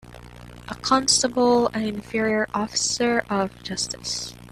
A constable an inferior officer of justice